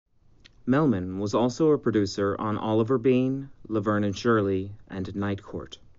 Melman was also a producer on "Oliver Beene", "Laverne and Shirley", and "Night Court".